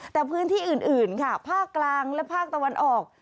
แต่พื้นที่อื่นค่ะภาคกลางและภาคตะวันออก